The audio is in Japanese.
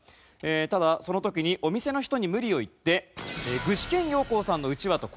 ただその時にお店の人に無理を言って具志堅用高さんのうちわと交換してもらった。